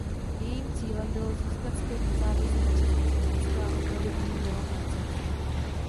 Jejím cílem bylo získat zpět nezávislost Československa a obnovit v něm demokracii.